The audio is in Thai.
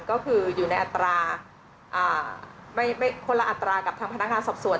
ก็คืออยู่ในอัตราคนละอัตรากับทางพนักงานสอบสวน